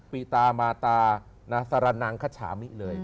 ปีตามาตาสรนังคชามิเลย